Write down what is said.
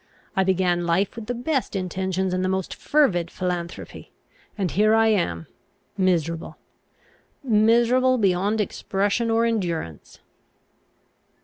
I began life with the best intentions and the most fervid philanthropy; and here I am miserable miserable beyond expression or endurance."